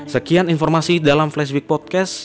sekian informasi dalam flashback podcast